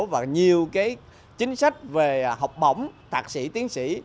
và nhiều chính sách về học bổng thạc sĩ tiến sĩ